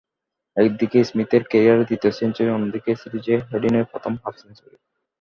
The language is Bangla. একদিকে স্মিথের ক্যারিয়ারের তৃতীয় সেঞ্চুরি, অন্যদিকে সিরিজে হাডিনের পঞ্চম হাফ সেঞ্চুরি।